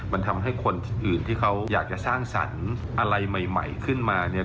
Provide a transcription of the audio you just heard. มันทำให้คนอื่นที่เขาอยากจะสร้างสรรค์อะไรใหม่ขึ้นมาเนี่ย